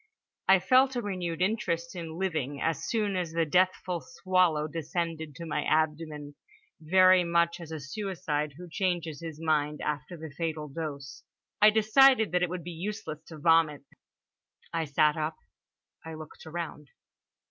I felt a renewed interest in living as soon as the deathful swallow descended to my abdomen, very much as a suicide who changes his mind after the fatal dose. I decided that it would be useless to vomit. I sat up. I looked around.